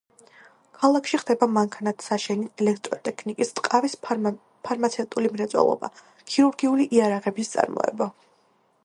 ქალაქში ხდება მანქანათსაშენი, ელექტროტექნიკის, ტყავის, ფარმაცევტული მრეწველობა, ქირურგიული იარაღების წარმოება.